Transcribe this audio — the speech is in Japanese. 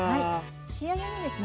仕上げにですね